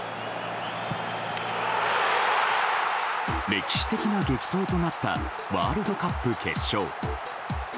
歴史的な激闘となったワールドカップ決勝。